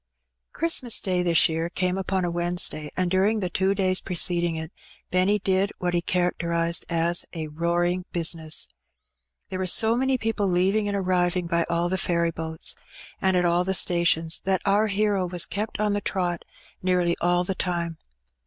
Christmas Day this year came upon a Wednesday, and during the two days preceding it, Benny did what he charac terized as a '^roaring bizness." There were so many people leaving and arriving by all the ferry boats and at all the stations, that our hero was kept on the trot nearly all the time.